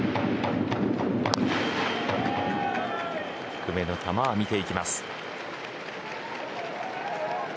低めの球は見ていきます。